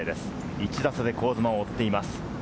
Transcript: １打差で香妻を追っています。